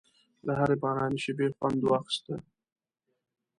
له هرې باراني شېبې خوند واخیست.